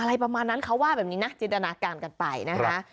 อะไรประมาณนั้นเขาว่าแบบนี้นะจินตนาการกันไปนะคะ